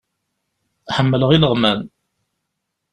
Ḥemmleɣ ileɣman.